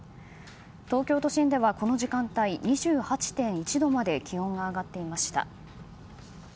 東京都心ではこの時間帯２８．１度まで気温が上がっていました。